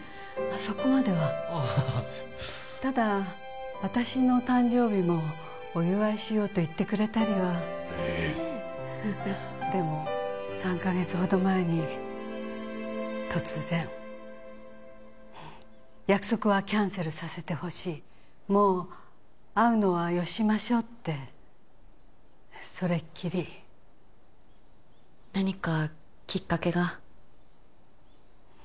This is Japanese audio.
そこまではああただ私の誕生日もお祝いしようと言ってくれたりはへえへえでも３カ月ほど前に突然約束はキャンセルさせてほしいもう会うのはよしましょうってそれっきり何かきっかけが？